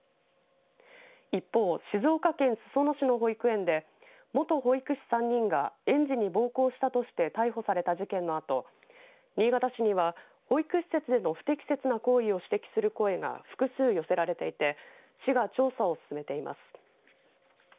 一方、静岡県裾野市の保育園で元保育士３人が園児に暴行したとして逮捕された事件のあと新潟市には保育施設での不適切な行為を指摘する声が複数寄せられていて市が調査を進めています。